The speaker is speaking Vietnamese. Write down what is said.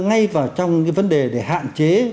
ngay vào trong cái vấn đề để hạn chế